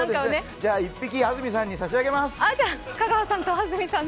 じゃ１匹、安住さんに差し上げます。